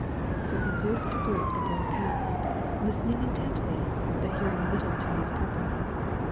So from group to group the Boy passed, listening intently, but hearing little to his purpose.